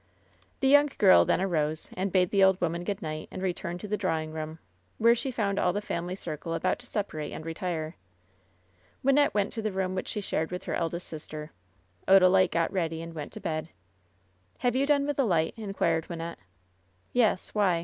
The young girl then arose and bade the old woman good night, and returned to the drawing room, where she found all the family circle about to separate and retire. Wynnette went to the room which she shared with her eldest sister. Odalite got ready and went to bed. "Have you done with the light ?" inquired Wynnette. "Yes. Why ?"